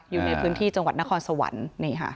อยู่ในพื้นที่จังหวัดนครสวรรค์นี่ค่ะ